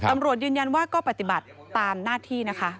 ตำรวจยืนยันว่าก็ปฏิบัติตามหน้าที่นะคะ